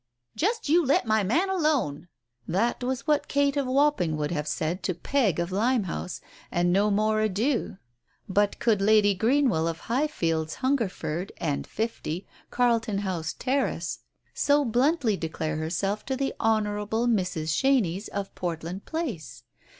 "Just you let my man alone !" That was what Kate of Wapping would have said to Peg of Limehouse, and no more ado, but could Lady Greenwell of Highfields, Hungerford, and 50, Carlton House Terrace so bluntly declare herself to the Honour able Mrs. Chenies of Portland Place?